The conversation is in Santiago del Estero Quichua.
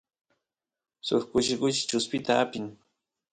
suk kushi kushi chuspita apin